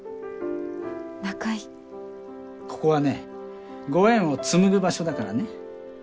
ここはねご縁を紡ぐ場所だからね。